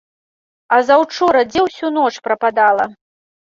А заўчора дзе ўсю ноч прападала?